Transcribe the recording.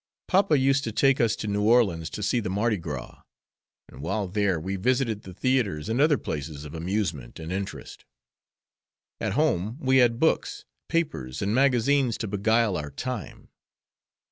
Papa used to take us to New Orleans to see the Mardi Gras, and while there we visited the theatres and other places of amusement and interest. At home we had books, papers, and magazines to beguile our time.